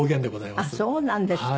あっそうなんですか。